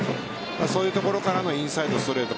そういうところからのインサイド、ストレート